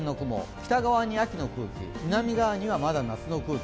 北側に秋の空気、南側にはまだ夏の空気。